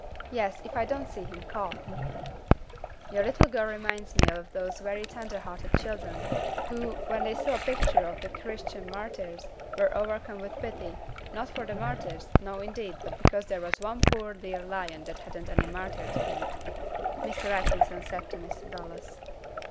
"Yes, if I don't see him caught." "Your little girl reminds me of those very tender hearted children, who, when they saw the picture of the Christian martyrs, were overcome with pity, not for the martyrs, no indeed, but because there was one poor dear lion that hadn't any martyr to eat," Mr. Atkinson said to Mr. Dallas.